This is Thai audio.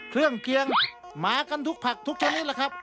เครื่องเพียงหมากันทุกผักทุกชนิดล่ะครับ